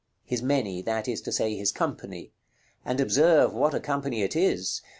His many, that is to say, his company; and observe what a company it is.